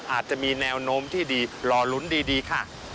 อาจจะมีแนวโน้มที่ดีรอลุ้นดีค่ะ